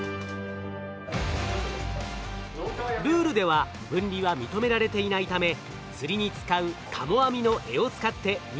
ルールでは分離は認められていないため釣りに使うたも網の柄を使って２台を連結。